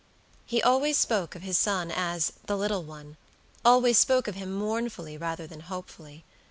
He always spoke of his son as "the little one;" always spoke of him mournfully rather than hopefully.